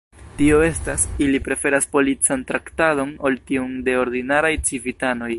Tio estas, ili preferas polican traktadon ol tiun de ordinaraj civitanoj.